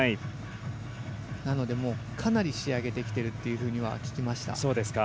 なのでもうかなり仕上げてきてるというふうには聞きました。